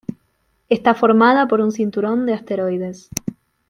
Está formada por un cinturón de asteroides.